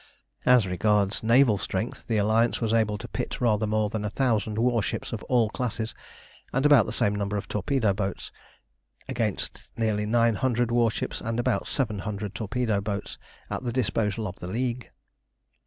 As regards naval strength, the Alliance was able to pit rather more than a thousand warships of all classes, and about the same number of torpedo boats, against nearly nine hundred warships and about seven hundred torpedo boats at the disposal of the League.